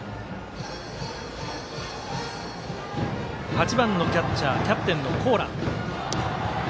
８番のキャッチャーキャプテンの高良。